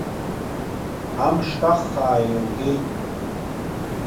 Амш каххаа еилгеит.